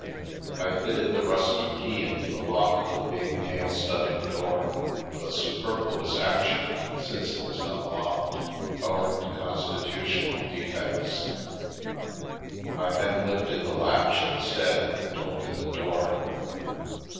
I fitted the rusty key into the lock of the big nail studded door — a superfluous action, since it was not locked, owing to constitutional defects. I then lifted the latch instead and opened the door.